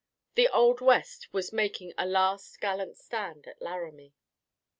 The old West was making a last gallant stand at Laramie.